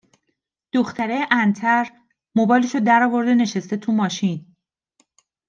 دختره انتر موبایلش رو در آورده نشسته تو ماشین